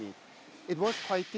yang harus kita temui